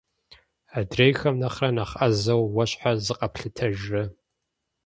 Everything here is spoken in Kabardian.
Адрейхэм нэхърэ нэхъ ӏэзэу уэ щхьэ зыкъэплъытэжрэ?